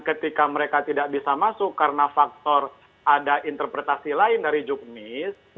ketika mereka tidak bisa masuk karena faktor ada interpretasi lain dari juknis